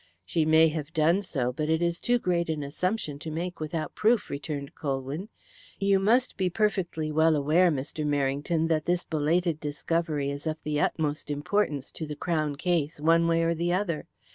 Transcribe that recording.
"She may have done so, but it is too great an assumption to make without proof," returned Colwyn. "You must be perfectly well aware, Mr. Merrington, that this belated discovery is of the utmost importance to the Crown case, one way or the other.